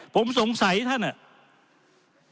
ผมสงสัยท่านอ่ะ